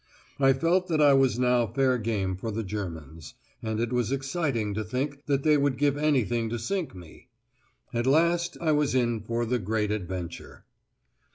I felt that I was now fair game for the Germans; and it was exciting to think that they would give anything to sink me! At last I was in for "the great adventure."